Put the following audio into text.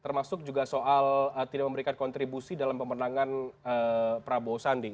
termasuk juga soal tidak memberikan kontribusi dalam pemenangan prabowo sandi